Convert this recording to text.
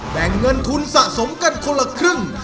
แบ่งเงินทุนสะสมกันคนละครึ่ง